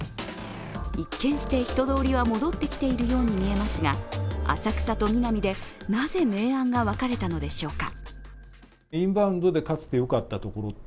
一見して人通りは戻ってきているように見えますが浅草とミナミで、なぜ明暗が分かれたのでしょうか？